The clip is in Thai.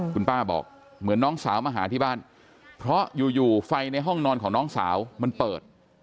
คุณป้าบอกเหมือนน้องสาวมาหาที่บ้านเพราะอยู่ไฟในห้องนอนของน้องสาวมันเปิด